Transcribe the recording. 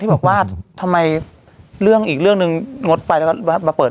ที่บอกว่าทำไมอีกเรื่องนึงงดไปแล้วมาเปิด